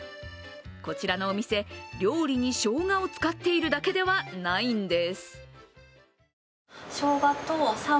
こちらのお店、料理にしょうがを使っているだけではないんです。